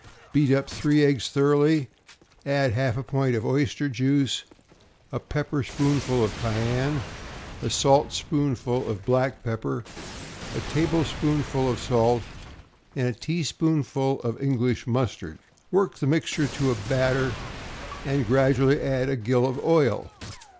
Beat up three eggs thoroughly; add half a pint of oyster juice, a pepper spoonful of cayenne, a saltspoonful of black pepper, a tablespoonful of salt, and a teaspoonful of English mustard. Work the mixture to a batter, and gradually add a gill of oil.